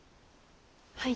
はい。